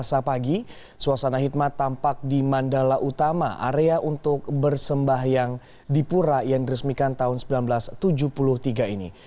selasa pagi suasana hikmat tampak di mandala utama area untuk bersembah yang di pura yang diresmikan tahun seribu sembilan ratus tujuh puluh tiga ini